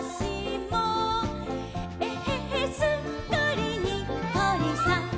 「えへへすっかりにっこりさん！」